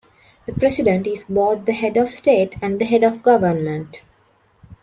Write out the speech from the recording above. The President is both the head of state and the head of government.